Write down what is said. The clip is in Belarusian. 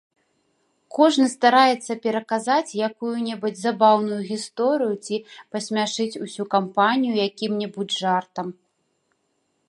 Кожны стараецца пераказаць якую-небудзь забаўную гісторыю ці пасмяшыць усю кампанію якім-небудзь жартам.